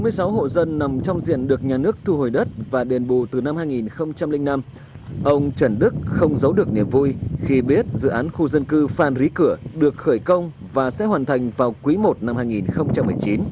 với sáu hộ dân nằm trong diện được nhà nước thu hồi đất và đền bù từ năm hai nghìn năm ông trần đức không giấu được niềm vui khi biết dự án khu dân cư phan rí cửa được khởi công và sẽ hoàn thành vào quý i năm hai nghìn một mươi chín